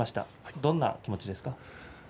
どんな気持ちですか？